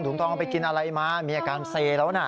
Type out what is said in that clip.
ทองไปกินอะไรมามีอาการเซแล้วนะ